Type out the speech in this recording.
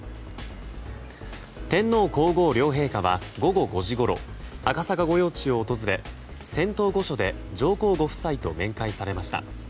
天皇・皇后両陛下は午後５時ごろ赤坂御用地を訪れ仙洞御所で上皇ご夫妻と面会されました。